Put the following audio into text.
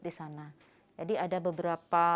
di sana jadi ada beberapa